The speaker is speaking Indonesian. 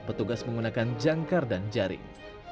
petugas menggunakan jangkar dan jaring